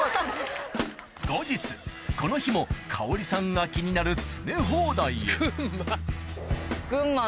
後日この日も香織さんが気になる詰め放題へ群馬！